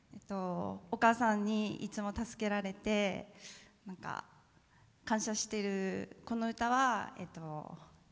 お母さんにいつも助けられて感謝してる、この歌は。